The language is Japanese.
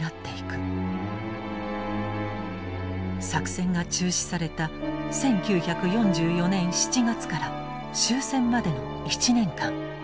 作戦が中止された１９４４年７月から終戦までの１年間。